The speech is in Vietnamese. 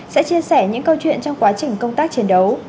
sẽ chia sẻ những câu chuyện trong quá trình công tác chiến đấu